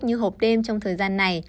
như hộp đêm trong thời gian này